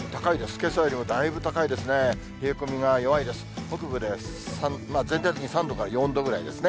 けさよりもだいぶ高いですね。